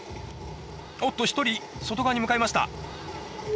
おっと、１人外側に向かいました。